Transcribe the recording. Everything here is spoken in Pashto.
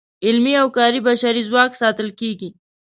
علمي او کاري بشري ځواک ساتل کیږي.